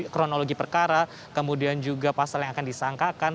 kronologi perkara kemudian juga pasal yang akan disangkakan